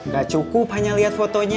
gak cukup hanya lihat fotonya